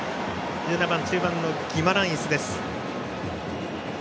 １７番、中盤のギマランイスです。